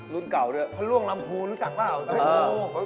รุนเก่าพระร่วงลำภูรณ์รู้จักมั้ย